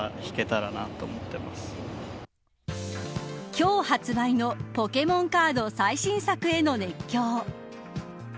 今日発売のポケモンカード最新作への熱狂。